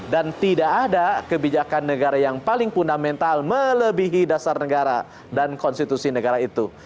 dan tidak ada kebijakan negara yang paling fundamental melebihi dasar negara dan konstitusi negara itu